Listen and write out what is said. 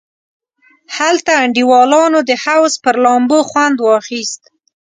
هلته انډیوالانو د حوض پر لامبو خوند واخیست.